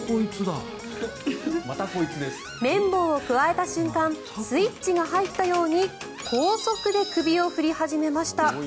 綿棒をくわえた瞬間スイッチが入ったように高速で首を振り始めました。